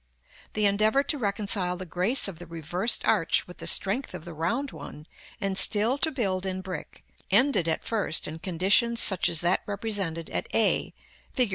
The endeavor to reconcile the grace of the reversed arch with the strength of the round one, and still to build in brick, ended at first in conditions such as that represented at a, Fig.